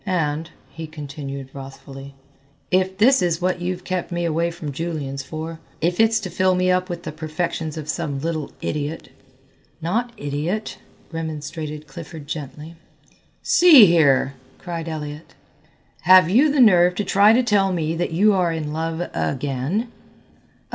And," he continued wrathfully, "if this is what you've kept me away from Julian's for, if it's to fill me up with the perfections of some little idiot " "Not idiot," remonstrated Clifford gently. "See here," cried Elliott, "have you the nerve to try to tell me that you are in love again?"